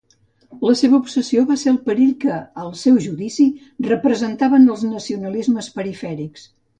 La seva obsessió va ser el perill que, al seu judici, representaven els nacionalismes perifèrics.